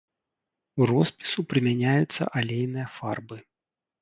У роспісу прымяняюцца алейныя фарбы.